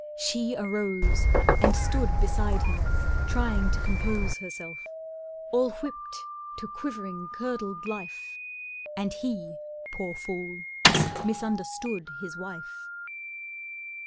She arose And stood beside him, trying to compose Herself, all whipt to quivering, curdled life, And he, poor fool, misunderstood his wife.